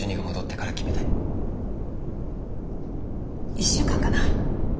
１週間かな。